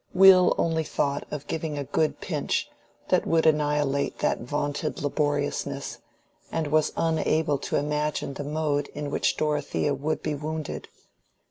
Will only thought of giving a good pinch that would annihilate that vaunted laboriousness, and was unable to imagine the mode in which Dorothea would be wounded.